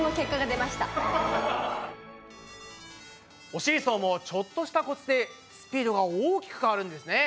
お尻走もちょっとしたコツでスピードが大きく変わるんですね。